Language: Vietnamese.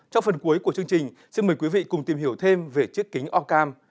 trong phần cuối của chương trình xin mời quý vị cùng tìm hiểu thêm về chiếc kính orcam